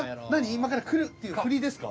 今から来るっていうフリですか？